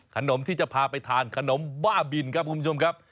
ขนมที่จะพาไปทานขนมบ้าบินครับคุณผู้ชมครับ